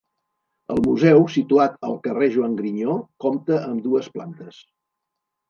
El museu, situat al carrer Joan Grinyó, compta amb dues plantes.